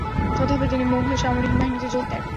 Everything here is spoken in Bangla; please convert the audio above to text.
তথাপি তিনি মোঘল সামরিক বাহিনীতে যোগ দেন।